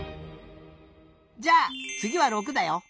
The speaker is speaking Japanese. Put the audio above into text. じゃあつぎは６だよ！